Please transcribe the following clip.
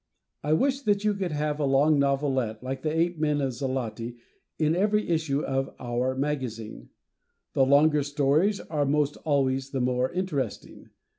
I wish that you could have a long novelette like "The Ape Men of Xloti" in every issue of "our" magazine. The longer stories are most always the more interesting.